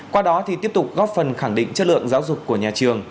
qua đó thì tiếp tục góp phần khẳng định chất lượng giáo dục của nhà trường